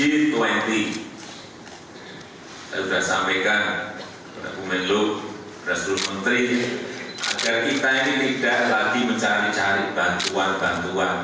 saya sudah sampaikan kepada bumiluk rasul menteri agar kita ini tidak lagi mencari cari bantuan bantuan